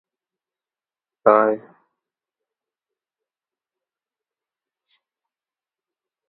She then graduated from Commonwealth School in Boston before moving on to Amherst College.